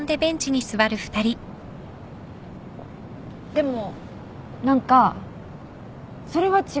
でも何かそれは違うの。